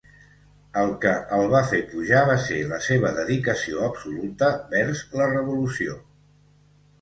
El que el va fer pujar va ser la seva dedicació absoluta vers la revolució.